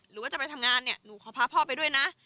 หรือว่าจะไปทำงานเนี่ยหนูขอพาพ่อไปด้วยนะ